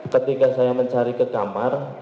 ketika saya mencari ke kamar